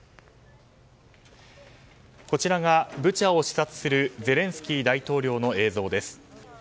こちらがブチャを視察するゼレンスキー大統領の映像です。